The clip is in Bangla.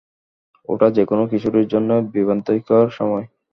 ওটা যেকোনো কিশোরীর জন্যই বিভ্রান্তিকর সময়।